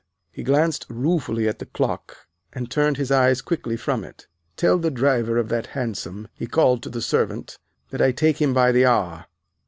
He glanced ruefully at the clock and turned his eyes quickly from it. "Tell the driver of that hansom," he called to the servant, "that I take him by the hour."